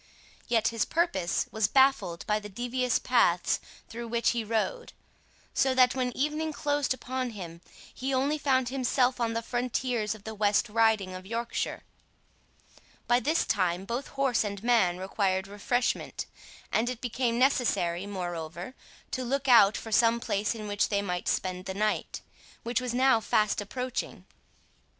Yet his purpose was baffled by the devious paths through which he rode, so that when evening closed upon him, he only found himself on the frontiers of the West Riding of Yorkshire. By this time both horse and man required refreshment, and it became necessary, moreover, to look out for some place in which they might spend the night, which was now fast approaching.